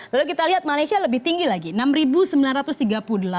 lalu kita lihat malaysia lebih tinggi lagi rp enam sembilan ratus tiga puluh delapan